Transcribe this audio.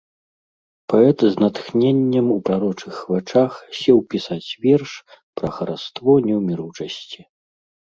Паэт з натхненнем у прарочых вачах сеў пісаць верш пра хараство неўміручасці.